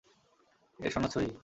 এর সনদ সহীহ।